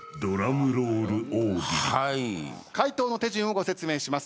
回答の手順をご説明します。